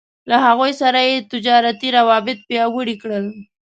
له هغوی سره يې تجارتي روابط پياوړي کړل.